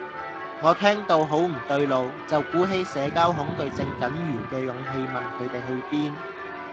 我聽到好唔對路，就鼓起社交恐懼症僅餘嘅勇氣問佢哋去邊